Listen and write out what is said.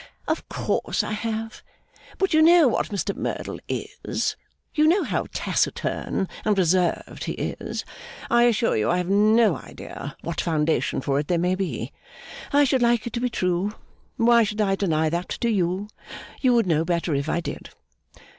'Of course I have. But you know what Mr Merdle is; you know how taciturn and reserved he is. I assure you I have no idea what foundation for it there may be. I should like it to be true; why should I deny that to you? You would know better, if I did!